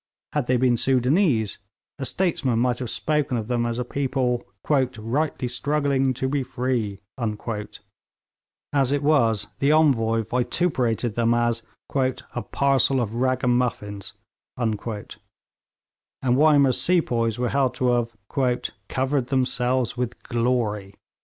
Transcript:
Had they been Soudanese, a statesman might have spoken of them as a people 'rightly struggling to be free'; as it was, the Envoy vituperated them as 'a parcel of ragamuffins,' and Wymer's sepoys were held to have 'covered themselves with glory.'